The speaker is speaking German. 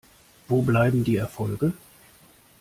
Wo bleiben die Erfolge?